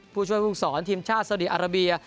ผู้ช่วยฟูกศรทีมชาติสาวดีอาราเบีย